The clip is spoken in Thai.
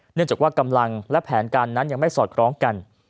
เนื่องจากว่ากำลังและแผนการนั้นยังไม่สอดคล้องกัน